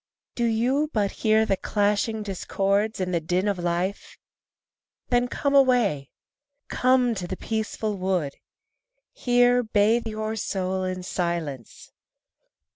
Do you but hear the clashing discords and the din of life? Then come away, come to the peaceful wood, Here bathe your soul in silence.